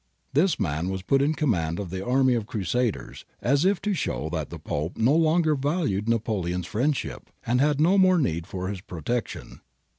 This man was put in command of the army of crusaders, as if to show that the Pope no longer valued Napoleon's friendship, and had no more need for his protection.